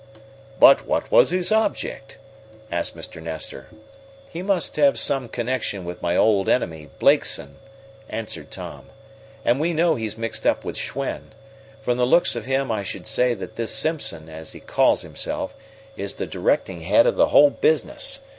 "But what was his object?" asked Mr. Nestor. "He must have some connection with my old enemy, Blakeson," answered Tom, "and we know he's mixed up with Schwen. From the looks of him I should say that this Simpson, as he calls himself, is the directing head of the whole business.